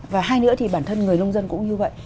và hai nữa thì bản thân người nông dân cũng như vậy